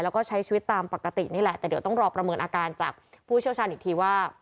แล้วก็ใช้ชีวิตตามปกตินี่แหละแต่เดี๋ยวต้องรอประเมินอาการจากผู้เชี่ยวชาญอีกทีว่า